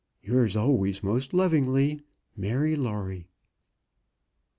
Yours always most lovingly, MARY LAWRIE.